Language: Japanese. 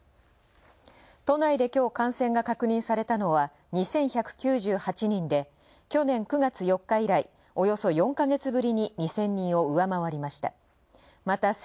都内で今日、感染が確認されたのは２１９８人で、去年９月４日以来およそ４ヵ月ぶりに２０００人を上回りました。